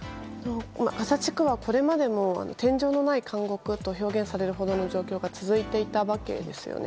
ガザ地区はこれまでも天井のない監獄と表現されるほどの状況が続いていたわけですよね。